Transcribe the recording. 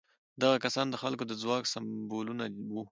دغه کسان د خلکو د ځواک سمبولونه وو.